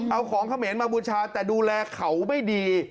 เอาของเขมรมาบูชาแต่ดูแลเขาไม่ดี